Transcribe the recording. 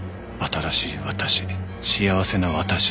新しい私幸せな私